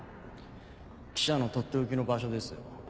記者のとっておきの場所ですよ。